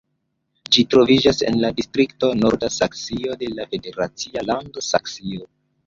Ĝi troviĝas en la distrikto Norda Saksio de la federacia lando Saksio.